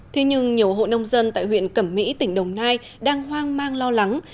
thế nhưng nhiều hộ nông dân tại huyện cẩm mỹ tỉnh đồng nai đang hoang mang lo lắng